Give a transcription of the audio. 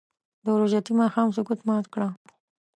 د روژتي ماښام سکوت مات کړه